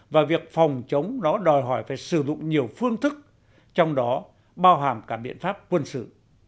và việc phòng chống đó đòi hỏi phải sử dụng nhiều phương thức trong đó bao hàm cả biện pháp quân sự